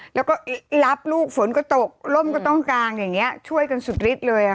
แล้วก็รับลูกฝนก็ตกร่มก็ต้องกางอย่างนี้ช่วยกันสุดฤทธิ์เลย